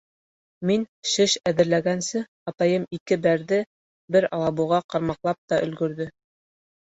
Мин шеш әҙерләгәнсе, атайым ике бәрҙе, бер алабуға ҡармаҡлап та өлгөрҙө.